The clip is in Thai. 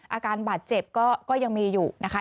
อาการบาดเจ็บก็ยังมีอยู่นะคะ